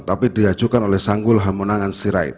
tapi diajukan oleh sanggul hamunangan sirait